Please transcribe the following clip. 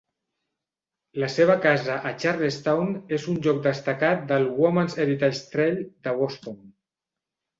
La seva casa a Charlestown és un lloc destacat del Women's Heritage Trail de Boston.